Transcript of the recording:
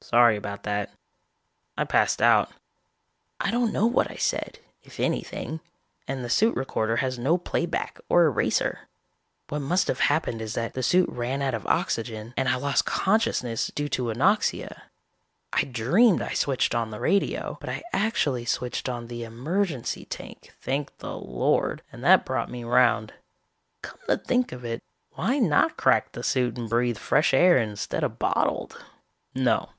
"Sorry about that. I passed out. I don't know what I said, if anything, and the suit recorder has no playback or eraser. What must have happened is that the suit ran out of oxygen, and I lost consciousness due to anoxia. I dreamed I switched on the radio, but I actually switched on the emergency tank, thank the Lord, and that brought me round. "Come to think of it, why not crack the suit and breath fresh air instead of bottled? "No.